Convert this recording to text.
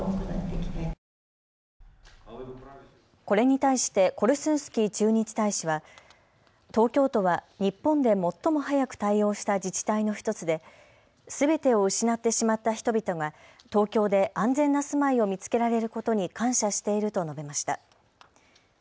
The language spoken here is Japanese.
これに対してコルスンスキー駐日大使は東京都は日本で最も早く対応した自治体の１つですべてを失ってしまった人々が東京で安全な住まいを見つけられることに感謝していると述べました。